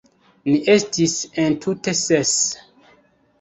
Ni estis entute ses.